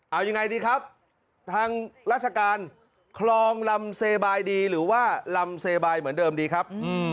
เอายังไงดีครับทางราชการคลองลำเซบายดีหรือว่าลำเซบายเหมือนเดิมดีครับ